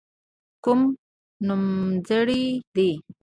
کوم نومځري دي.